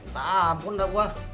tampun dah gua